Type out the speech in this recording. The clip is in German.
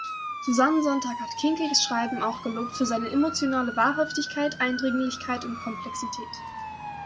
Susan Sontag hat Kincaids Schreiben auch gelobt für seine „emotionale Wahrhaftigkeit“, Eindringlichkeit und Komplexität.